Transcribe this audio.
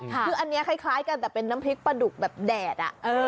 คืออันนี้คล้ายกันแต่เป็นน้ำพริกปลาดุกแบบแดด